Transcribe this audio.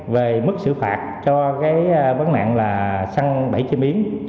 về mức xử phạt cho cái bắn mạng là săn bẫy chim yến